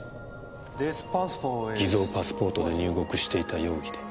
偽造パスポートで入国していた容疑で。